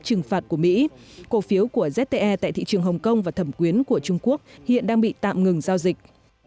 trừng phạt của mỹ cổ phiếu của zte tại thị trường hồng kông và thẩm quyến của trung quốc hiện đang bị tạm ngừng giao dịch